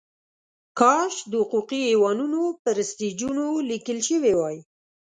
کاش د حقوقي ایوانونو پر سټیجونو لیکل شوې وای.